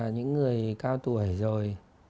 những người cao tuổi rồi